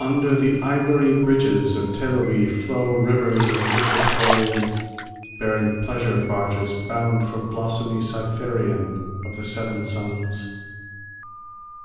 Under the ivory bridges of Teloe flow rivers of liquid gold bearing pleasure barges bound for blossomy Cytharion of the Seven Suns.